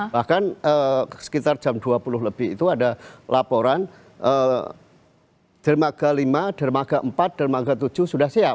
bahkan sekitar jam dua puluh lebih itu ada laporan dermaga lima dermaga empat dermaga tujuh sudah siap